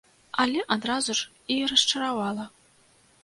Але адразу ж і расчаравала.